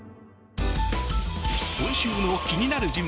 今週の気になる人物